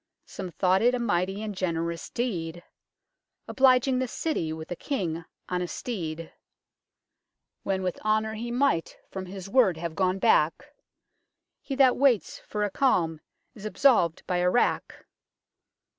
Some thought it a mighty and generous Deed, Obliging the citty with a King on a steed, When with Honour he might from his word have gone back ; He that waits for a Calme is absolv'd by a Wrack.